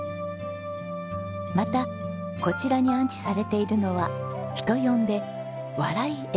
またこちらに安置されているのは人呼んで笑い